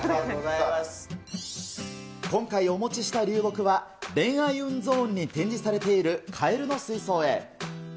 今回お持ちした流木は、恋愛運ゾーンに展示されているカエルの水槽へ。